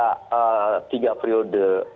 saya berbicara tiga periode